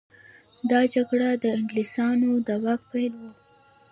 دا جګړه د انګلیسانو د واک پیل و.